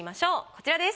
こちらです。